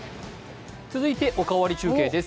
続いて「おかわり中継」です。